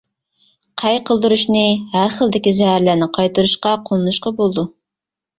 قەي قىلدۇرۇشنى ھەر خىلدىكى زەھەرلەرنى قايتۇرۇشقا قوللىنىشقا بولىدۇ.